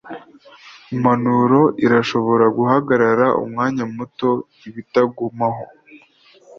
Impanuro irashobora guhagarara umwanya muto ibitagumaho